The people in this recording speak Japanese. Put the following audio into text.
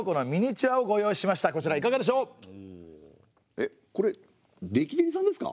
えっこれレキデリさんですか？